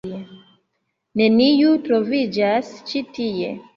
Neniu troviĝas ĉi tie.